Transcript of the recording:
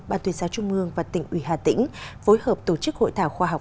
ban tuyên giáo trung mương và tỉnh ủy hà tĩnh phối hợp tổ chức hội thảo khoa học